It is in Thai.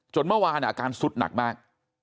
จนเมื่อวานว่างน่ะอาการซุดหนักมาก